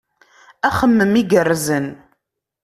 Axemmem igerrzen!